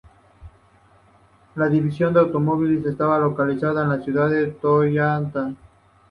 La división de automóviles estaba localizada en la ciudad de Trollhättan.